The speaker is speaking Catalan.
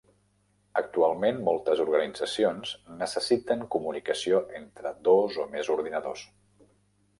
Actualment moltes organitzacions necessiten comunicació entre dos o més ordinadors.